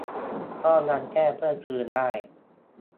ก็ยังแจ้งเพื่อคืนได้